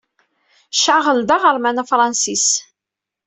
Charles d aɣerman afṛansis.